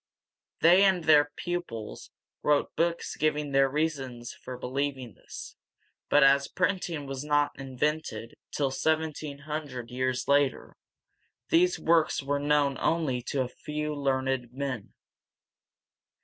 They and their pupils wrote books giving their reasons for believing this; but as printing was not invented till seventeen hundred years later, these works were known only to a few learned men.